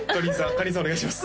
かりんさんお願いします